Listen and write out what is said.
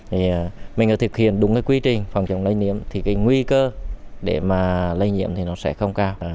thì mình có thực hiện đúng cái quy trình phòng chống lây nhiễm thì cái nguy cơ để mà lây nhiễm thì nó sẽ không cao